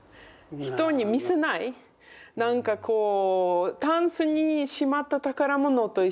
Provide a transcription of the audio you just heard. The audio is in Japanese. なんかこうたんすにしまった宝物と一緒。